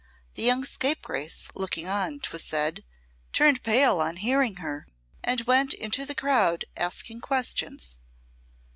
The young scapegrace looking on, 'twas said, turned pale on hearing her and went into the crowd, asking questions.